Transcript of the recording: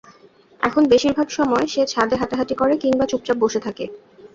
এখন বেশির ভাগ সময় সে ছাদে হাঁটাহাঁটি করে কিংবা চুপচাপ বসে থাকে।